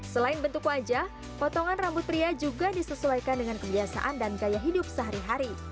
selain bentuk wajah potongan rambut pria juga disesuaikan dengan kebiasaan dan gaya hidup sehari hari